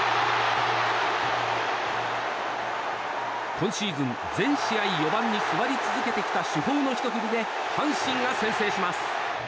今シーズン全試合４番に座り続けてきた主砲のひと振りで阪神が先制します。